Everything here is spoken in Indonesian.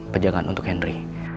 penjagaan untuk henry